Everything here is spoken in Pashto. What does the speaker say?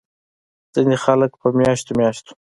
ځينې خلک پۀ مياشتو مياشتو